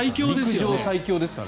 陸上最強ですから。